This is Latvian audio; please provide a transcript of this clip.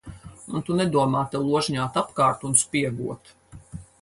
Un tu nedomā te ložņāt apkārt un spiegot.